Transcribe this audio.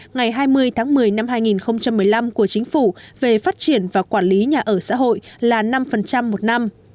ngày hai mươi tháng một mươi năm hai nghìn một mươi năm của chính phủ về phát triển và quản lý nhà ở xã hội là năm một năm